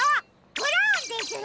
ブラウンですよ！